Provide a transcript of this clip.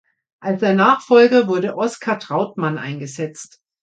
Als sein Nachfolger wurde Oskar Trautmann eingesetzt.